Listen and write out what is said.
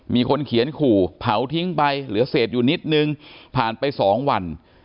มีคนเขียนขู่เผาทิ้งไปเหลือเศษอยู่นิดนึงผ่านไป๒วัน